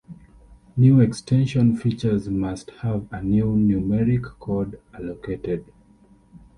New extension features must have a new numeric code allocated.